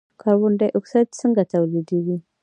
کاربن ډای اکساید څنګه تولیدیږي.